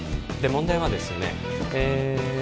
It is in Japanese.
問題はですね